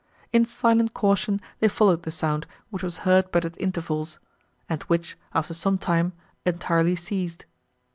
In silent caution they followed the sound, which was heard but at intervals, and which, after some time entirely ceased.